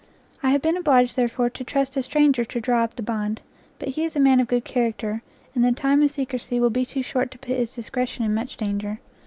I have been obliged, therefore, to trust a stranger to draw up the bond; but he is a man of good character, and the time of secrecy will be too short to put his discretion in much danger.